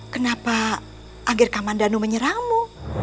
kenapa agir kamandanu menyerangmu